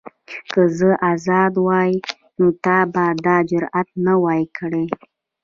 که زه ازاد وای نو تا به دا جرئت نه وای کړی.